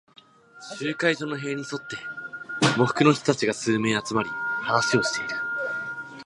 集会所の塀に沿って、喪服の人たちが数名集まり、話をしている。